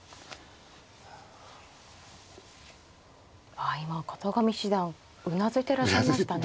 ああ今片上七段うなずいていらっしゃいましたね。